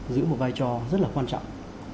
giữ một vai trò rất là quan trọng